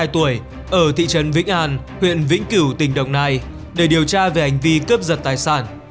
hai mươi tuổi ở thị trấn vĩnh an huyện vĩnh cửu tỉnh đồng nai để điều tra về hành vi cướp giật tài sản